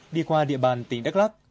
đi qua địa bàn tỉnh đắk lắc